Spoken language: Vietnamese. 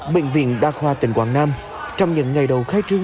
bệnh viện đa khoa tỉnh quảng nam trong những ngày đầu khai trương